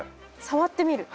触ってみる？